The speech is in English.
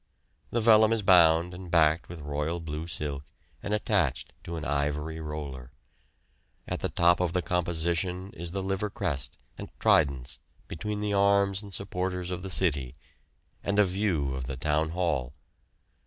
The vellum is bound and backed with royal blue silk and attached to an ivory roller. At the top of the composition is the Liver crest and tridents between the arms and supporters of the city, and a view of the Town Hall.